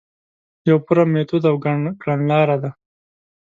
یو فورم، میتود او کڼلاره ده.